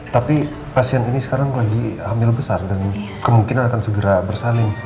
tapi pasien ini sekarang lagi hamil besar dan kemungkinan akan segera bersalin